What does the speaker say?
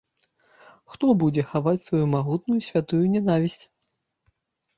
Хто будзе хаваць сваю магутную святую нянавісць?